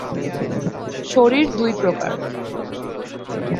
শরীর দুই প্রকার।